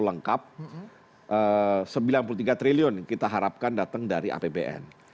nah untuk ibu kota itu lengkap sembilan puluh tiga triliun kita harapkan datang dari apbn